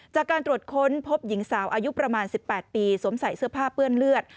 จากการตรวจค้นพบหญิงสาวอายุประมาณ๑๘ปีสวมใส่เสื้อผ้าเปื้อนเลือด